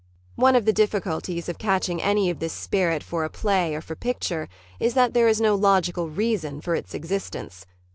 One of the difficulties of catching any of this spirit for play or for picture is that there is no logical reason for its existence.